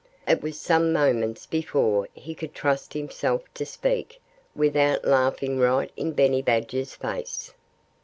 It was some moments before he could trust himself to speak without laughing right in Benny Badger's face.